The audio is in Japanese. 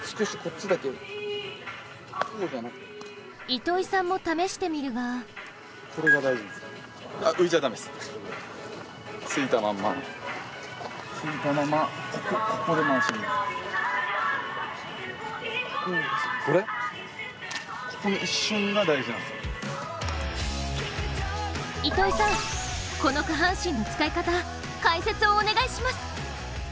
糸井さんも試してみるが糸井さん、この下半身の使い方解説をお願いします！